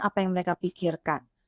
apa yang mereka pikirkan